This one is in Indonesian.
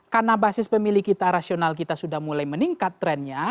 karena basis pemilih kita rasional kita sudah mulai meningkat trendnya